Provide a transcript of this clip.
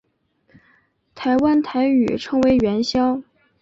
台湾台语称为元宵。